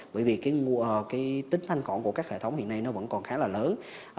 bởi vì cái tính thanh khoản của các hệ thống hiện nay nó vẫn còn khá là lớn